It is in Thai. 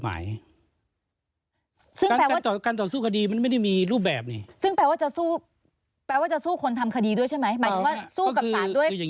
หมายถึงว่าสู้กับศาลด้วยข้อเชิญค่ะ